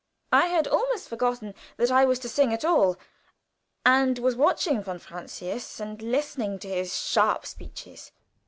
I had almost forgotten that I was to sing at all, and was watching von Francius and listening to his sharp speeches.